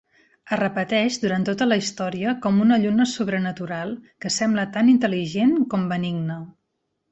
Es repeteix durant tota la història com una lluna sobrenatural que sembla tant intel·ligent com benigne.